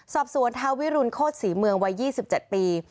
สอบสวนทาวิรุณโคตรศรีเมืองวัย๒๗ปี